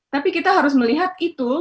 tapi kita harus melihat itu